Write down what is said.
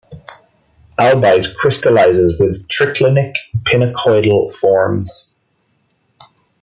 Albite crystallizes with triclinic pinacoidal forms.